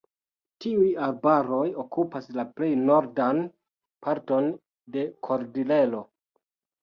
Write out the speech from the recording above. Tiuj arbaroj okupas la plej nordan parton de Kordilero.